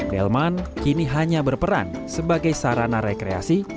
delman kini hanya berperan sebagai sarana rekreasi